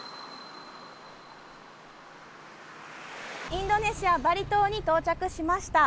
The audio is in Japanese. インドネシア・バリ島に到着しました。